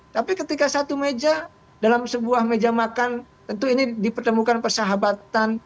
tapi ketika satu meja dalam sebuah meja makan tentu ini dipertemukan persahabatan